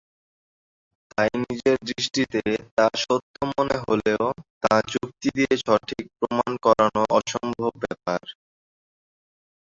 তাই নিজের দৃষ্টিতে তা সত্য মনে হলেও তা যুক্তি দিয়ে সঠিক প্রমাণ করানো অসম্ভব ব্যাপার।